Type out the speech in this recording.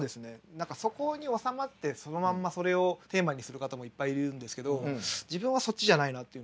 何かそこに収まってそのまんまそれをテーマにする方もいっぱいいるんですけど自分はそっちじゃないなっていうのは思いました。